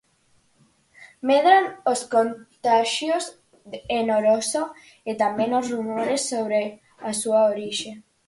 Medran os contaxios en Oroso e tamén os rumores sobre a súa orixe.